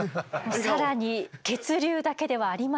更に血流だけではありません。